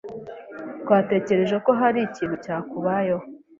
Twatekereje ko hari ikintu cyakubayeho.